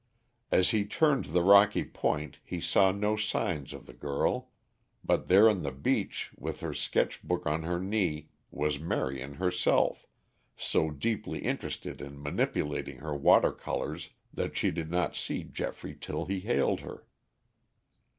As he turned the rocky point he saw no signs of the girl, but there on the beach with her sketch book on her knee was Marion herself, so deeply interested in manipulating her water colors that she did not see Geoffrey till he hailed her.